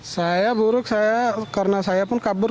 saya buruk saya karena saya pun kabur